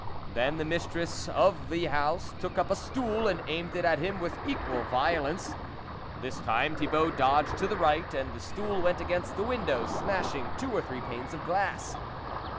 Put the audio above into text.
Then the mistress of the house took up a stool, and aimed it at him with equal violence ; this time Thibault dodged to the right, and the stool went against the window, smashing two or three panes of glass.